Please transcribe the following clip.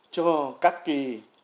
cho các kỳ